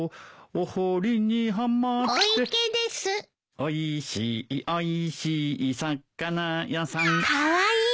「おいしいおいしい魚屋さん」「かわいい」